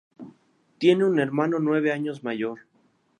Tiene un hermano nueve años mayor.